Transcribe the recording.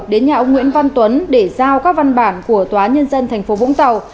đến nhà ông nguyễn văn tuấn để giao các văn bản của tòa nhân dân tp vũng tàu